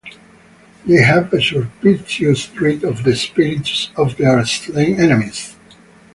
They have a superstitious dread of the spirits of their slain enemies.